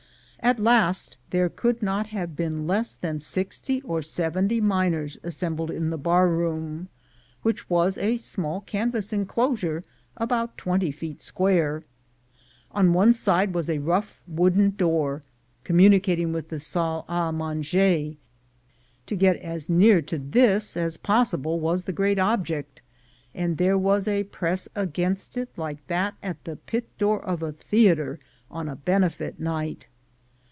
At last there could not have been less than sixty or seventy miners assembled in the bar room, which was a small canvas enclosure about twenty feet square. On one side was a rough wooden door com municating with the salle a manger; to get as near to this as possible was the great object, and there was a press against it like that at the pit door of a theatre on a benefit night.